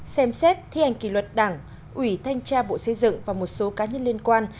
ba xem xét thi hành kỳ luật đảng ủy thanh tra bộ xây dựng và một số cá nhân liên quan